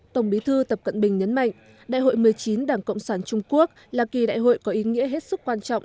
tổng bí thư tập cận bình nhấn mạnh đại hội một mươi chín đảng cộng sản trung quốc là kỳ đại hội có ý nghĩa hết sức quan trọng